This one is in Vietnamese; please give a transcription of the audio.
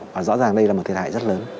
và rõ ràng đây là một thiệt hại rất lớn